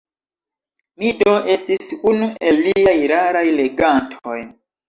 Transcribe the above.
Mi do estis unu el liaj raraj legantoj.